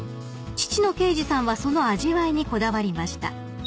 ［父の圭二さんはその味わいにこだわりました］